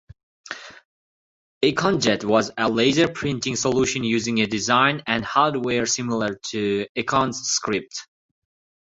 Eiconjet was a laser printing solution using a design and hardware similar to Eiconscript.